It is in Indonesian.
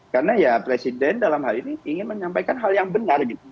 karena ya presiden dalam hal ini ingin menyampaikan hal yang benar gitu